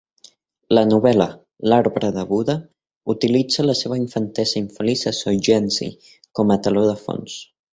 La novel·la "L'arbre de Buda" utilitza la seva infantesa infeliç a Sogenji com a teló de fons.